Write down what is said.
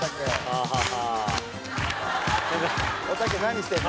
おたけ何してるの？